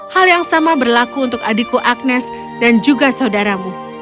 hal yang sama berlaku untuk adikku agnes dan juga saudaramu